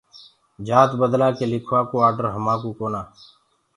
جآت بدلآ ڪي لِکوآ ڪو آڊر همآنٚڪو ڪونآ۔